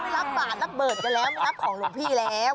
รับบาทรับเบิดกันแล้วไม่รับของหลวงพี่แล้ว